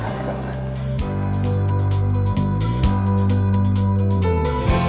aku bisa mengatakan